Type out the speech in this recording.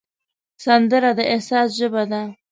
سندره د احساس ژبه ده